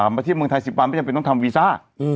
มาเที่ยวเมืองไทย๑๐วันไม่จำเป็นต้องทำวีซ่า